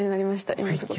今すごく。